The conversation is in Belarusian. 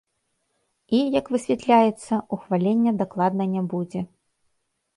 І, як высвятляецца, ухвалення дакладна не будзе.